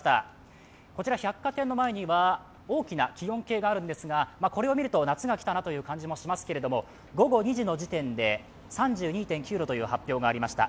こちら百貨店の前には大きな気温計があるんですが、夏が来たなという感じもしますが午後２時の時点で３２．９度という、発表がありました。